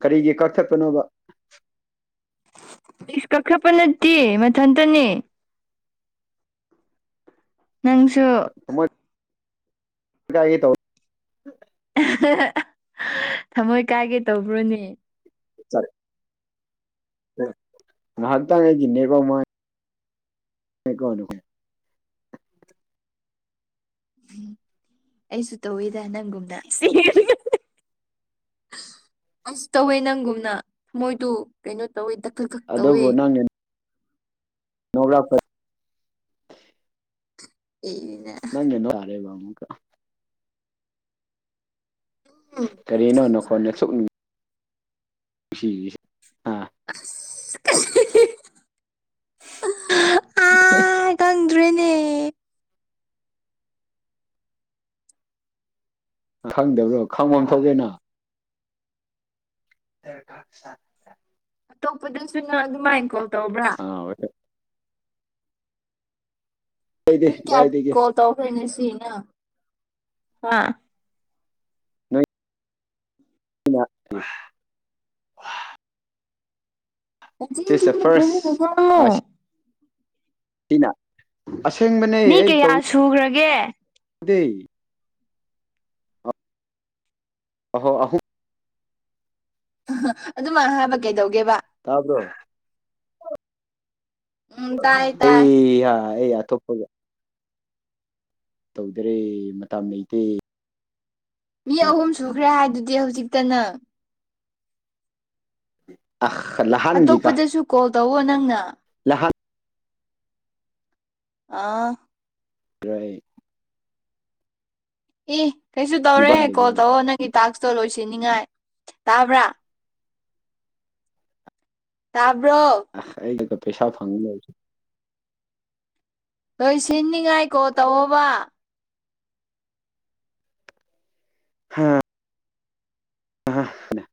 ꯀꯔꯤꯒꯤ ꯀꯛꯊꯠꯄꯅꯣꯕ ꯏꯁ ꯀꯛꯊꯠꯄ ꯅꯠꯇꯦ ꯃꯊꯟꯇꯅꯦ ꯅꯪꯁꯨ ꯏꯀꯥꯏꯒꯦ ꯇꯧ ꯊꯃꯣꯏ ꯀꯥꯏꯒꯦ ꯇꯧꯕ꯭ꯔꯣꯅꯦ ꯆꯥꯔꯦ ꯅꯍꯥꯟꯇꯥꯡ ꯑꯩꯒꯤ ꯅꯦꯠꯋꯥꯛ ꯃꯉꯥꯏ ꯍꯦꯀꯣꯅꯨꯀꯨꯟ ꯎꯝ ꯑꯩꯁꯨ ꯇꯧꯋꯤꯗ ꯅꯪꯒꯨꯝꯅ ꯑꯁ ꯇꯧꯋꯦ ꯅꯪꯒꯨꯝꯅ ꯃꯣꯏꯗꯨ ꯀꯩꯅꯣ ꯇꯧꯋꯦ ꯗꯛ ꯗꯛ ꯊꯛ ꯇꯧꯋꯦ ꯅꯣꯛꯔꯛꯄꯗ ꯏꯅ ꯅꯪꯒꯤ ꯅꯨꯋꯥꯔꯦꯕ ꯑꯃꯨꯛꯀ ꯀꯔꯤꯅꯣ ꯅꯈꯣꯟ ꯑꯁꯨꯛ ꯅꯨꯡ ꯏꯁꯤꯒꯤꯁꯦ [unintelligible] [inaudible] ꯑꯥ ꯈꯪꯗ꯭ꯔꯦꯅꯦ ꯈꯪꯗꯕ꯭ꯔꯣ ꯈꯪꯕꯝ ꯊꯣꯛꯂꯦꯅ ꯗ꯭ꯔꯀꯥꯠ ꯁꯥ ꯑꯇꯣꯞꯄꯗꯁꯨ ꯅꯪ ꯑꯗꯨꯃꯥꯏꯅ ꯀꯣꯜ ꯇꯧꯕ꯭ꯔꯥ ꯃꯤ ꯀꯗꯥꯏꯗꯒꯤ ꯀꯌꯥ ꯀꯗꯥꯏꯗꯒꯤ ꯀꯣꯜ ꯇꯧꯈ꯭ꯔꯦ ꯉꯁꯤ ꯅꯪ ꯍꯥ ꯏꯅꯥꯠꯇꯦ ꯁꯤꯁ ꯗ ꯐꯥꯔꯁ [unintelligible] ꯇꯤꯅ ꯑꯁꯦꯡꯕꯅꯦ ꯑꯩ ꯇꯧꯏ ꯁꯨꯒ꯭ꯔꯒꯦ ꯗꯦ ꯑꯍꯣ ꯑꯍꯨꯝ ꯑꯗꯨꯝꯃꯥꯏ ꯍꯥꯏꯕ ꯀꯩꯗꯧꯒꯦꯕ ꯇꯥꯕ꯭ꯔꯣ ꯎꯝ ꯇꯥꯏ ꯇꯥꯏ ꯑꯩꯌꯥ ꯑꯩ ꯑꯇꯣꯞꯄꯒ ꯇꯧꯗ꯭ꯔꯦ ꯃꯇꯝ ꯂꯩꯇꯦ ꯃꯤ ꯑꯍꯨꯝ ꯁꯨꯈ꯭ꯔꯦ ꯍꯥꯏꯗꯨꯗꯤ ꯍꯧꯖꯤꯛꯇ ꯅꯪ ꯎꯝ ꯑꯂ ꯑꯇꯣꯞꯄꯗꯁꯨ ꯀꯣꯜ ꯇꯧꯋꯣ ꯅꯪꯅ ꯂꯥꯛꯍꯠ [unintelligible] ꯀꯔ꯭ꯥꯏꯌꯤꯡ ꯏ ꯑꯩꯁꯨ ꯇꯧꯔꯦ ꯅꯤꯄꯥꯜ ꯀꯣꯜ ꯂꯩꯒꯦꯕ ꯇꯧꯑꯣ ꯅꯪꯒꯤ ꯇꯥꯛꯁꯇꯣ ꯂꯣꯏꯁꯤꯟꯅꯤꯡꯉꯥꯏ ꯇꯥꯕ꯭ꯔꯥ ꯇꯥꯕ꯭ꯔꯣ ꯑ ꯑꯩꯒ ꯄꯩꯁꯥ ꯐꯪꯒꯅꯁꯨꯦ ꯅꯣꯏ ꯁꯤꯅꯤꯉꯥꯏꯀꯣ ꯇꯧꯕ ꯍꯥꯥ [unintelligible]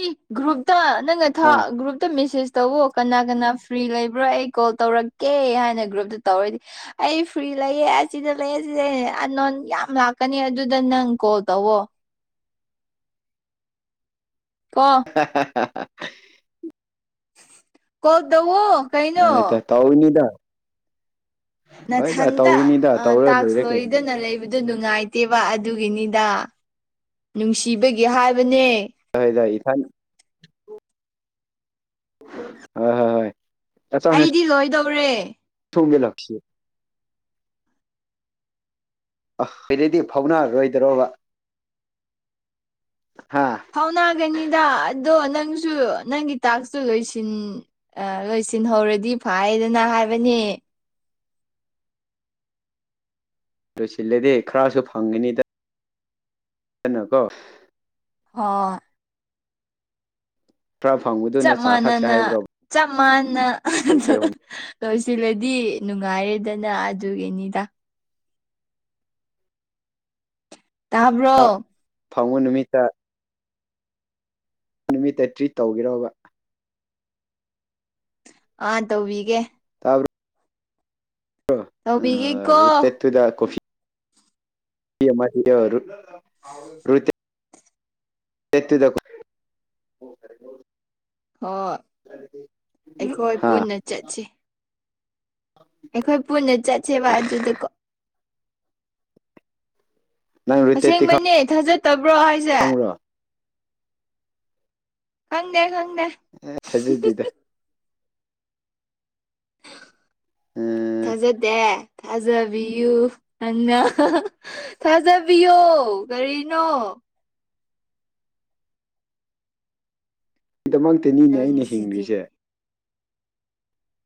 ꯏ ꯒ꯭ꯔꯨꯞꯇ ꯅꯪꯅ ꯊꯥ ꯒ꯭ꯔꯨꯞꯇ ꯃꯦꯁꯦꯖ ꯇꯧꯑꯣ ꯀꯅꯥ ꯀꯅꯥ ꯐ꯭ꯔꯤ ꯂꯩꯕ꯭ꯔ ꯑꯩ ꯀꯣꯜ ꯇꯧꯔꯛ ꯀꯦ ꯍꯥꯏꯅ ꯒ꯭ꯔꯨꯞꯇ ꯇꯧꯔꯗꯤ ꯑꯩ ꯐ꯭ꯔꯤ ꯂꯩꯌꯦꯦ ꯑꯁꯤꯗ ꯂꯩꯌꯦ ꯁꯤꯗ ꯑꯅꯣꯟ ꯌꯥꯝ ꯂꯥꯛꯀꯅꯤ ꯑꯗꯨꯗ ꯅꯪ ꯀꯣꯜ ꯇꯧꯋꯣ ꯀꯣ ꯍ ꯍ ꯍ [unintelligible] ꯀꯣꯜ ꯇꯧꯑꯣ ꯀꯩꯅꯣ ꯍꯣꯏꯗ ꯇꯧꯅꯤꯗ ꯍꯣꯏꯗ ꯅꯊꯟꯇ ꯇꯧꯒꯅꯤꯗ ꯑ ꯇꯧꯔ ꯇꯥꯛꯁ ꯂꯣꯏꯔꯦ ꯀꯩꯅꯣ ꯂꯣꯏꯗꯅ ꯂꯩ ꯍꯥꯏꯕꯗ ꯅꯨꯡꯉꯥꯏꯇꯦꯕ ꯑꯗꯨꯒꯤꯅꯤꯗ ꯅꯨꯡꯁꯤꯕꯒꯤ ꯍꯥꯏꯕꯅꯦ ꯇꯗꯏ ꯏ ꯊꯟ ꯍꯣꯏ ꯍꯣꯏ ꯍꯣꯏ ꯌꯥ ꯁꯤ ꯂꯣꯏꯗꯧꯔꯦ ꯊꯣꯡꯒꯦ ꯂꯥꯛꯁꯤ ꯑ ꯁꯤꯗꯩꯗꯤ ꯐꯥꯎꯅꯔꯔꯣꯏꯗ꯭ꯔꯕ ꯍꯥ ꯐꯥꯎꯅꯥꯒꯅꯤꯗ ꯑꯗꯣ ꯅꯪꯁꯨ ꯅꯪꯒꯤ ꯇꯥꯛꯁꯨ ꯂꯣꯏꯁꯤꯟ ꯑ ꯂꯣꯏꯁꯤꯟꯍꯧꯔꯗꯤ ꯐꯥꯏꯗꯅ ꯍꯥꯏꯕꯅꯦ ꯂꯣꯏꯁꯤꯜꯂꯗꯤ ꯈꯔꯁꯨ ꯐꯪꯒꯅꯤꯗ ꯀꯅꯣꯀꯣ ꯑꯣ ꯈꯔ ꯐꯪꯕ ꯆꯞ ꯃꯥꯟꯅꯅ ꯆꯞ ꯃꯥꯟꯅ ꯑꯗꯨ ꯑꯩꯈꯣꯏ ꯑꯍꯨꯝ ꯂꯣꯏꯁꯤꯜꯂꯗꯤ ꯅꯨꯡꯉꯥꯏꯔꯦꯗꯅ ꯑꯗꯨꯒꯤꯅꯤꯗ ꯇꯥꯕ꯭ꯔꯣ ꯐꯪꯕ ꯅꯨꯃꯤꯠꯇ ꯅꯨꯃꯤꯠꯇ ꯊ꯭ꯔꯤꯠ ꯇꯧꯈꯤꯔꯕ ꯑꯥ ꯇꯧꯕꯤꯒꯦ ꯇꯥꯕ꯭ꯔꯣ ꯇꯧꯕꯤꯒꯦꯀꯣ ꯇꯗ ꯀꯣꯐꯤ ꯅꯨꯄꯤ ꯑꯃꯗꯤ ꯔꯨꯠ ꯔꯨꯇꯦ ꯀꯠꯇꯨꯗ ꯍꯣꯏ ꯑꯩꯈꯣꯏ ꯍꯥ ꯄꯨꯟꯅ ꯆꯠꯁꯤ ꯑꯩꯈꯣꯏ ꯄꯨꯟꯅ ꯆꯠꯁꯦꯕ ꯑꯗꯨꯗꯀꯣ ꯅꯪ ꯔꯨꯇꯦꯠꯇꯤ ꯑꯁꯦꯡꯕꯩꯅꯦ ꯊꯥꯖꯠꯇꯕ꯭ꯔꯣ ꯍꯥꯏꯁꯦ ꯈꯪꯕ꯭ꯔꯣ ꯈꯪꯗꯦ ꯈꯪꯗꯦ ꯑ ꯊꯥꯖꯗꯦꯗꯥ ꯎꯝ ꯊꯥꯖꯗꯦ ꯊꯥꯖꯕꯤꯌꯨꯅ ꯊꯥꯖꯕꯤꯌꯣ ꯀꯔꯤꯅꯣ ꯒꯤꯗꯃꯛꯇꯤꯅꯤꯅꯦ ꯑꯩꯅ ꯅꯪꯁꯤꯗꯤ ꯍꯤꯡꯂꯤꯖꯦ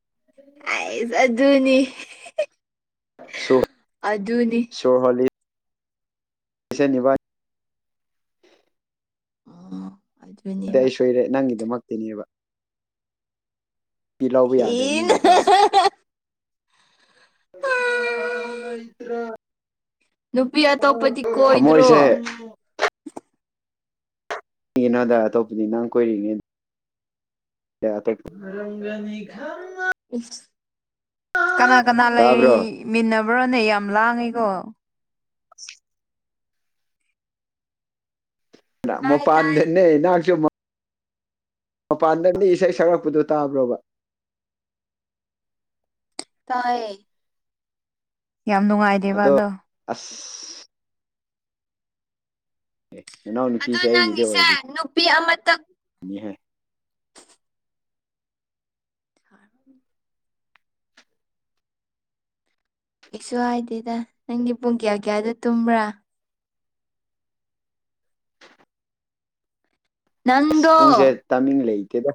[inaudible] ꯑꯩꯖ ꯑꯗꯨꯅꯤ ꯁꯨ ꯑꯗꯨꯅꯤ ꯁꯣꯔ ꯍꯣꯜꯂꯤ [unintelligible] [unintelligible] ꯑꯩ ꯁꯣꯏꯔꯦ ꯅꯪꯒꯤꯗꯃꯛꯇꯅꯦꯕ ꯄꯤ ꯂꯥꯎꯕ ꯍꯦꯟꯅ ꯌꯥꯗꯕꯅꯤꯅꯦꯀꯣ [unintelligible] ꯅꯨꯄꯤ ꯑꯇꯣꯞꯄꯗꯤ ꯀꯣꯏꯗ꯭ꯔꯣ? ꯊꯃꯣꯏꯁꯦ ꯅꯣꯗꯥ ꯑꯇꯣꯞꯄꯗꯤ ꯅꯪ ꯀꯣꯏꯔꯤꯉꯩ [unintelligible] ꯏꯁ ꯀꯅꯥ - ꯀꯅꯥ ꯇꯥꯕ꯭ꯔꯣ ꯂꯩꯃꯤꯟꯅꯕ꯭ꯔꯣꯅꯦ ꯌꯥꯝ ꯂꯥꯡꯉꯤꯀꯣ꯫ [unintelligible] ꯇꯥꯏ ꯇꯥꯏ ꯃꯄꯥꯟꯗꯅꯦ ꯅꯪꯁꯨ ꯃ ꯃꯄꯥꯟꯗ ꯃꯤ ꯏꯁꯩ ꯁꯛꯂꯛꯄꯗꯣ ꯇꯥꯕ꯭ꯔꯣꯕ? ꯇꯥꯏꯌꯦ ꯌꯥꯝ ꯅꯨꯡꯉꯥꯏ ꯑꯗꯣ ꯑꯁ ꯅꯅꯥꯎ ꯑꯗ ꯅꯨꯄꯤꯁꯦ ꯑꯩꯒꯤꯗꯤ ꯅꯪꯒꯤꯁꯦ ꯑꯣꯏꯔꯤꯅꯤꯍꯦ ꯅꯨꯄꯤ ꯑꯃꯇ [unintelligible] [unintelligible] ꯀꯩꯁꯨ ꯍꯥꯏꯗꯦꯗ ꯅꯪꯗꯤ ꯄꯨꯡ ꯀꯌꯥ - ꯀꯌꯥꯗꯣ ꯇꯨꯝꯕ꯭ꯔꯥ? ꯑꯁ ꯅꯪꯗꯣ ꯄꯨꯡꯁꯦ ꯇꯥꯏꯃꯤꯡ ꯂꯩꯇꯦꯗ꯫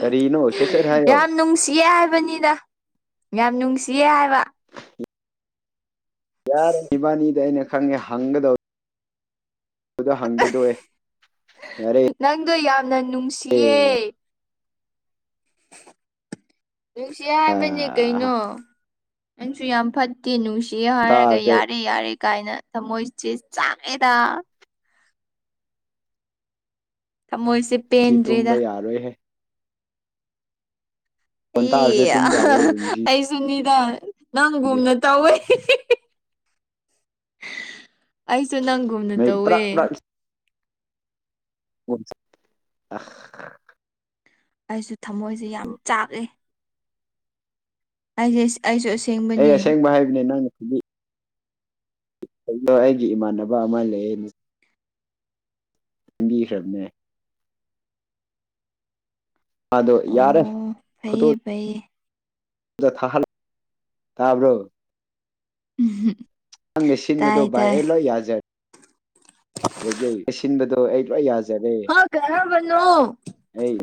ꯀꯔꯤꯅꯣ ꯁꯦꯠ-ꯁꯦꯠ ꯍꯥꯏꯌꯣ ꯌꯥꯝ ꯅꯨꯡꯁꯤꯌꯦ ꯍꯥꯏꯕꯅꯤꯗ꯫ ꯌꯥꯝ ꯅꯨꯡꯁꯤꯌꯦ ꯍꯥꯏꯕ꯫ ꯌꯥꯔꯦ ꯏꯕꯥꯅꯤꯗ ꯑꯩꯅ ꯈꯪꯒꯦ ꯍꯪꯒꯗꯧ [unintelligible] ꯌꯥꯔꯦ ꯅꯪꯗꯣ ꯌꯥꯝꯅ ꯅꯨꯡꯁꯤꯌꯦ꯫ ꯅꯨꯡꯁꯤꯌꯦ ꯍꯥꯏꯕꯅꯦ ꯀꯩꯅꯣ ꯅꯪꯁꯨ ꯌꯥꯝ ꯐꯠ ꯇꯦ ꯅꯪꯡꯁꯤ ꯍꯥꯏꯔꯒ ꯇꯥꯁꯦ ꯌꯥꯔꯦ ꯌꯥꯔꯦ ꯀꯥꯏꯅ ꯊꯃꯣꯏꯁꯦ ꯆꯥꯛꯑꯦꯗ ꯊꯃꯣꯏꯁꯦ ꯁꯤ ꯇꯨꯝꯕ ꯄꯦꯟꯗ꯭ꯔꯦꯗ ꯌꯥꯔꯣꯏꯍꯦ ꯐꯣꯟ ꯇꯥꯕꯁꯦ ꯑꯦ ꯇꯨꯝ ꯌꯥꯔꯣꯏꯕ ꯃꯤꯁꯤꯗꯤ ꯑꯩꯁꯨꯅꯤ ꯗ ꯅꯪꯒꯨꯝꯅ ꯇꯧꯋꯦ꯫ ꯑꯩꯁꯨ ꯅꯪꯒꯨꯝꯅ ꯃꯩ ꯇꯧꯋꯦ꯫ ꯄ꯭ꯔꯛ ꯄ꯭ꯔꯛ [unintelligible] ꯑꯩꯁꯨ ꯊꯃꯣꯏꯁꯦ ꯌꯥꯝ ꯆꯥꯛꯑꯦ꯫ [unintelligible] ꯑꯩ ꯑꯁꯦꯡꯕ ꯍꯥꯏꯕꯅꯦ ꯅꯪ ꯗꯣ ꯑꯩꯒꯤ ꯏꯃꯥꯟꯅꯕ ꯑꯃ ꯂꯩ ꯌꯦ ꯕꯤꯈ꯭ꯔꯕꯅꯦ ꯑꯗꯣ ꯌꯥꯔꯦ ꯑꯣ ꯐꯩꯌꯦ ꯐꯣꯇꯣꯗ ꯐꯩꯌꯦ [unintelligible] ꯇꯥꯕ꯭ꯔꯣ ꯅꯪꯅ ꯁꯤꯟꯕꯗꯣ ꯇꯥꯏ ꯕꯥꯥꯏ ꯇꯥꯏ ꯑꯩ ꯂꯣꯏ ꯌꯥ ꯑꯗꯒꯤ ꯑꯩ ꯁꯤꯟꯕꯗꯣ ꯑꯩ ꯂꯣꯏ ꯌꯥꯖꯔꯦ ꯍꯥ ꯀꯔꯝꯕꯅꯣ ꯑꯩ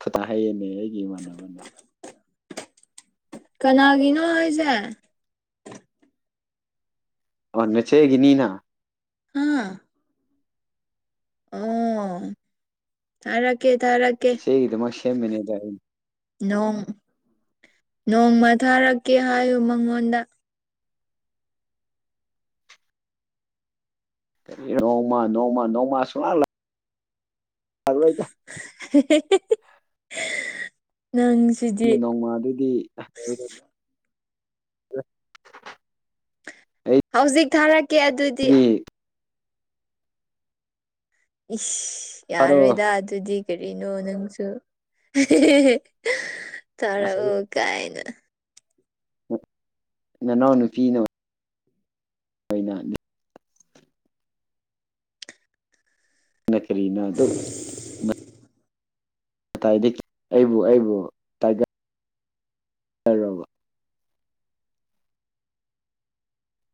ꯈꯨꯗꯥ ꯍꯩꯌꯦꯅꯦ ꯑꯩꯒꯤ ꯏꯃꯥꯟꯅꯕꯅ ꯀꯅꯥꯒꯤꯅꯣ ꯍꯥꯏꯁꯦ? ꯑꯣ ꯅꯆꯦ ꯒꯤꯅꯤꯅ ꯍꯥ ꯑꯣ ꯊꯔꯀꯦ ꯊꯔꯥ ꯁꯤꯦ ꯏꯗ ꯃꯥ ꯁꯦꯝꯃꯤꯅꯦꯗ ꯅꯣꯡ ꯅꯣꯡꯃ ꯊꯥꯔꯛꯀꯦ ꯍꯥꯏꯌꯨ ꯃꯉꯣꯟꯗ ꯅꯧ ꯃꯥ ꯅꯧ ꯃꯥ ꯅꯧ ꯃꯥ ꯁꯣ ꯂꯜꯂ ꯐꯔꯋꯥ ꯅꯪ ꯒꯤ ꯅꯣꯡꯃꯥꯗꯨꯗꯤ ꯍꯧꯖꯤꯛ ꯊꯥꯔꯛꯀꯦ ꯑꯗꯨꯗꯤ ꯑꯩꯗꯤ ꯏꯁ ꯐꯔꯣ ꯌꯥꯔꯣꯏꯗ ꯑꯗꯨꯗꯤ ꯀꯔꯤꯅꯣ ꯅꯪꯁꯨ ꯑꯁ ꯇꯥꯔꯛꯑꯣ ꯀꯥꯏꯅ ꯅꯅꯥ ꯅꯨꯄꯤꯤ ꯅ ꯩꯅ ꯅ ꯀꯔꯤꯅ ꯑꯗꯨ ꯀꯥꯏꯗꯒꯤ ꯑꯩꯕꯨ ꯑꯩꯕꯨ [unintelligible]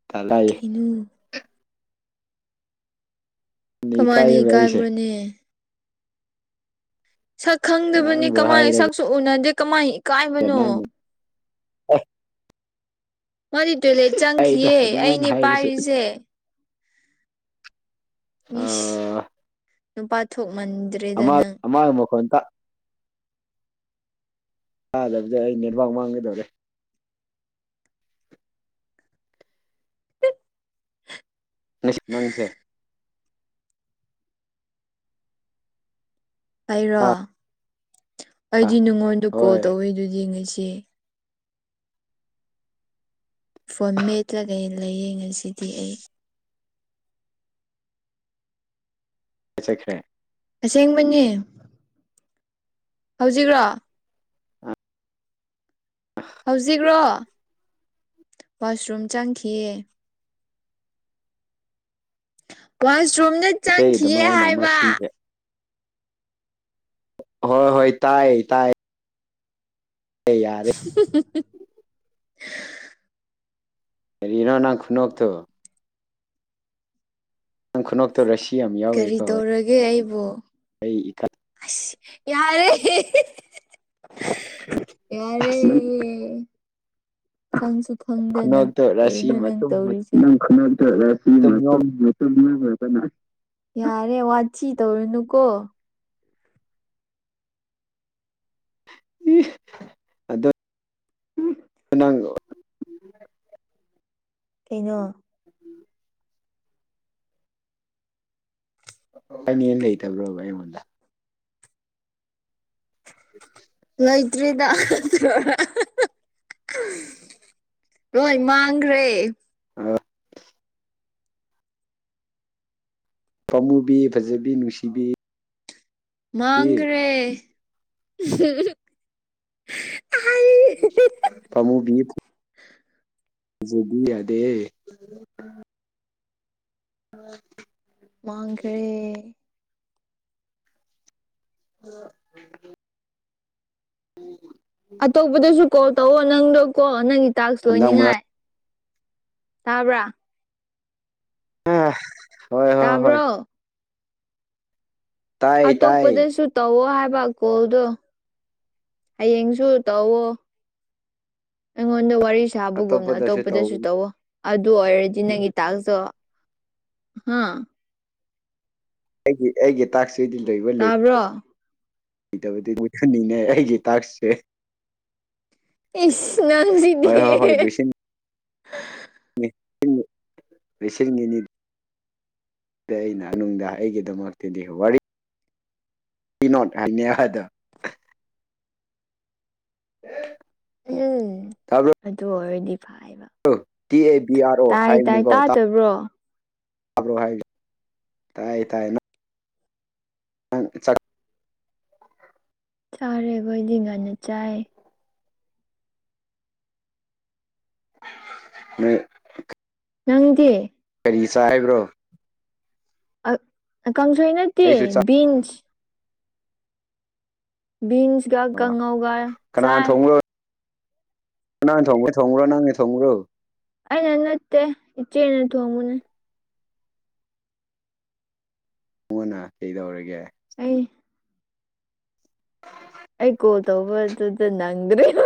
ꯇꯂꯥꯏ ꯑꯗꯨꯨ ꯀꯃꯥꯏꯅ ꯏꯀꯥꯏꯌꯦꯕ ꯑꯩꯁꯦ ꯀꯥꯏꯕ꯭ꯔꯣꯅꯦ ꯁꯛ ꯈꯪꯗꯕꯅꯤ ꯅꯪꯕꯨ ꯀꯃꯥꯏꯅ ꯍꯥꯏꯔꯒ ꯁꯛꯁꯨ ꯎꯅꯗꯦ ꯀꯃꯥꯏꯅ ꯏꯀꯥꯏꯕꯅꯣ ꯅꯪꯅ ꯑꯁ ꯃꯣꯏꯗꯤ ꯇꯣꯏꯂꯦꯠ ꯑꯩꯗ ꯆꯪꯈꯤꯌꯦ ꯑꯗꯨꯃꯥꯏꯅ ꯑꯩꯅꯦ ꯍꯥꯏꯔꯁꯨ ꯄꯥꯏꯔꯤꯁꯦ ꯃꯤꯁ ꯑꯥ ꯅꯨꯄꯥ ꯊꯣꯛꯃꯟꯗ꯭ꯔꯦ ꯑꯃꯥ ꯑꯃꯥ ꯃꯈ ꯑꯇ ꯊꯥꯗꯕꯗ ꯑꯩ ꯅꯦꯠꯋꯥꯛ ꯃꯥꯡꯒꯗꯧꯔꯦ ꯅꯤꯡꯁꯤꯡ ꯅꯪꯁꯦ ꯍꯥꯏꯔꯣ ꯍꯥ ꯑꯩꯗꯤ ꯅꯉꯣꯟꯗ ꯀꯣꯜ ꯍꯣꯏ ꯇꯧꯋꯤ ꯑꯗꯨꯗꯤ ꯉꯁꯤ ꯐꯣꯔꯝ ꯃꯦꯠꯂꯒ ꯂꯥꯏꯌꯦꯡ ꯉꯁꯤꯗꯤ ꯑꯩ ꯆꯠꯆꯈ꯭ꯔꯦ ꯑꯁꯦꯡꯕꯅꯦ ꯍꯧꯖꯤꯛ꯭ꯔꯣ ꯍꯧꯖꯤꯛ꯭ꯔꯣ ꯋꯥꯁꯔꯨꯝ ꯆꯪꯈꯤꯌꯦ ꯄꯥꯁꯔꯣꯨꯝꯅ ꯆꯪꯈꯤꯌꯦ ꯉꯁꯤꯒꯤꯗꯃꯛ ꯑꯩꯅ ꯑꯃ ꯍꯥꯏꯕ ꯁꯤꯟꯒꯦ ꯍꯣꯏ ꯍꯣꯏ ꯇꯥꯏꯌꯦ ꯇꯥꯏ ꯌꯥꯔꯦ [unintelligible] ꯑꯦꯔꯤꯔꯤꯅꯣ ꯅꯪ ꯈꯨꯟꯅꯣꯛ ꯇꯣ ꯈꯨꯅꯣꯛꯛꯇ ꯔꯁꯤ ꯌꯥꯝ ꯀꯔꯤ ꯌꯥꯎꯋꯦꯀꯣ ꯇꯧꯔꯒꯦ ꯑꯩꯕꯨ ꯑꯩ ꯏ ꯑꯁ ꯌꯥꯔꯦ ꯌꯥꯔꯦ ꯑꯁ ꯐꯪꯁꯨ ꯐꯪꯗꯦꯅ ꯈꯨꯅꯣꯛꯇꯣ ꯔꯥꯁꯤ ꯀꯔꯤꯅꯣ ꯅꯪ ꯃꯇꯨꯝ ꯇꯧꯔꯤ ꯃꯇꯨꯝ ꯌꯣꯝ ꯌꯥꯔꯦ ꯋꯥꯊꯤ ꯇꯧꯔꯅꯨ ꯀꯣ ꯑꯗꯣ ꯅꯪ ꯀꯩꯅꯣ ꯎꯝ ꯑꯅꯦ ꯂꯩꯇꯕ꯭ꯔꯣꯕ ꯑꯩꯉꯣꯟꯗ [unintelligible] ꯂꯩꯇ꯭ꯔꯤꯗ ꯂꯣꯏ ꯃꯥꯡꯈ꯭ꯔꯦ ꯑ ꯄꯥꯃꯨꯕꯤ ꯐꯖꯕꯤ ꯅꯨꯡꯁꯤꯕꯤ ꯃꯥꯡꯒꯔꯦ ꯄꯥꯝꯃꯨꯕꯤ ꯐꯖꯕꯤ ꯌꯥꯗꯦ ꯍ [inaudible] ꯃꯥꯡꯒꯔꯦ ꯑꯣ [inaudible] ꯑꯇꯣꯞꯄꯗꯁꯨ ꯀꯣꯜ ꯇꯧꯑꯣ ꯅꯪꯗꯣ ꯀꯣ ꯅꯪꯒꯤ ꯇꯥꯛꯁ ꯍꯟꯗꯛ ꯂꯣꯏꯅꯤꯡꯉꯥꯏ ꯃꯔꯛ ꯇꯕ꯭ꯔꯥ ꯑ ꯍꯣꯏ ꯍꯣꯏ ꯍꯣꯏ ꯇꯥꯕ꯭ꯔꯣ ꯇꯥꯏ ꯇꯥꯏ ꯑꯇꯣꯞꯄꯗꯁꯨ ꯇꯧꯋꯣ ꯍꯥꯏꯕ ꯀꯣꯜꯗꯣ ꯍꯌꯦꯡꯁꯨ ꯇꯧꯋꯣ ꯑꯩꯉꯣꯟꯗ ꯋꯥꯔꯤ ꯁꯥꯕꯒꯨꯝꯅ ꯑꯇꯣꯞꯄꯗꯁꯨ ꯇꯧꯋꯣ ꯑꯗꯨ ꯑꯣꯏꯔꯗꯤ ꯅꯪꯒꯤꯇꯥꯛꯁꯨ ꯍꯥ ꯑꯩꯒꯤ ꯑꯩꯒꯤ ꯇꯥꯛꯁꯤꯗꯤ ꯂꯣꯢ ꯇꯥꯕ꯭ꯔꯣ ꯏꯗꯕꯗꯤ [inaudible] ꯎꯍꯟꯅꯤꯡꯅꯦ ꯑꯩꯒꯤ ꯇꯥꯛꯁꯁꯦ ꯏꯁ ꯍꯣꯏ ꯅꯪꯁꯤꯗꯤ ꯍꯣꯏ ꯁꯔꯤꯉꯅꯤ [inaudible] ꯑꯩꯅ ꯑꯩꯒꯤꯗꯃꯛꯇꯗꯤ ꯋꯥꯔꯤ ꯀꯤꯅꯣꯠ ꯍꯥꯏꯅꯤ ꯑꯍꯗ [inaudible] [inaudible] ꯎꯝ ꯇꯥꯕ꯭ꯔꯣ ꯑꯗꯨ ꯑꯣꯏꯔꯗꯤ ꯐꯥꯏꯕ ꯇꯤ ꯑꯦ ꯕꯤ ꯑꯥꯔ ꯑꯣ ꯇꯥꯏ ꯇꯥꯏ ꯍꯥꯏꯕꯅꯤꯀꯣ ꯇꯥꯗꯕ꯭ꯔꯣ ꯇꯥꯕ꯭ꯔꯣ ꯍꯥꯏ ꯇꯥꯏ ꯇꯥꯏ [inaudible] ꯆꯥꯔꯦꯕ ꯑꯩꯗꯤ ꯉꯥꯟꯅ ꯆꯥꯏ [inaudible] ꯅꯪꯗꯤ ꯀꯔꯤ ꯁꯥ ꯍꯥꯏꯕ꯭ꯔꯣ ꯀꯪꯁꯣꯢ ꯅꯠꯇꯦ ꯑꯩꯁꯨ ꯆꯥꯛ ꯕꯤꯟꯁ ꯕꯤꯟꯁꯒ ꯀꯥꯡꯉꯧꯒ ꯆꯥꯏ ꯀꯅꯥ ꯊꯣꯡꯒ꯭ꯔꯦ ꯊꯣꯡꯒ꯭ꯔꯣ ꯅꯪꯅ ꯊꯣꯡꯕ꯭ꯔꯣ ꯑꯩꯅ ꯅꯠꯇꯦ ꯏꯆꯦꯅ ꯊꯣꯡꯕꯅꯦ ꯃꯉꯣꯟꯗ ꯀꯩꯗꯧꯔꯒꯦ ꯑꯩ [inaudible] ꯑꯩ ꯀꯣꯜ ꯇꯧꯕꯗꯨꯗ ꯅꯪꯗ꯭ꯔꯦꯕ